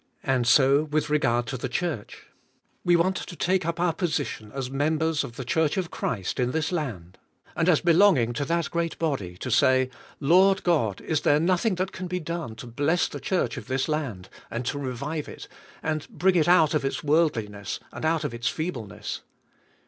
And so with regard to the church: We want to take up our position as mem bers of the church of Christ in this land; and as belonging to that great body, to say, "Lord God, is there nothing that can be done to bless the church of this land and to revive it and bring it out of its worldliness and out of its feebleness?